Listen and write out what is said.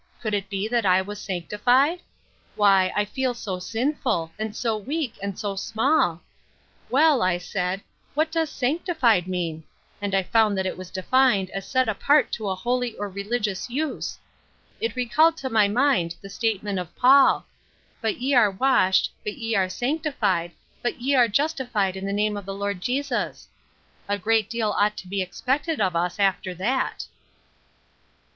Could it be that I was sanctified? Why, I feel so sinful, and so weak, and so small ! Well, I said, What does * sanctified ' mean ? and I found that it was defined as set apart to a holy or religious use. It recalled to my mind the statement of PauL *But ye are washed, but ye are sanctified, but ye are justified m the name of the Lord Jesus.' A great deal ought to be expected of us, aft^i that."